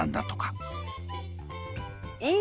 いい？